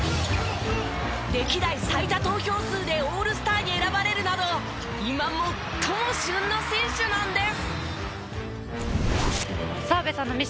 歴代最多投票数でオールスターに選ばれるなど今最も旬な選手なんです。